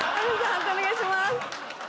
判定お願いします。